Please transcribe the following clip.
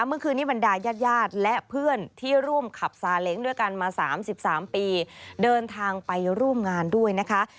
เมื่อคืนนี้บรรดายาดและเพื่อนที่ร่วมขับซาเล้งด้วยกันมา๓๓ปีเดินทางไปร่วมงานด้วยนะคะ